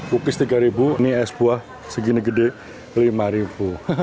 pukis rp tiga ini es buah segini gede rp lima